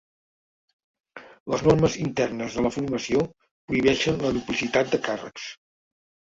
Les normes internes de la formació prohibeixen la duplicitat de càrrecs.